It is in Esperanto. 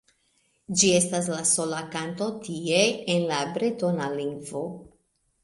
Ĝi estas la sola kanto tie en la bretona lingvo.